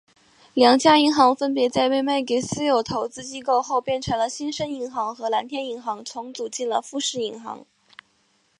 两家银行分别在被卖给私有投资机构后变成了新生银行和蓝天银行重组进了富士银行。